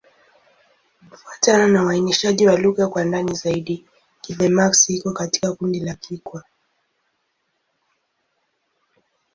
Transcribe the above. Kufuatana na uainishaji wa lugha kwa ndani zaidi, Kigbe-Maxi iko katika kundi la Kikwa.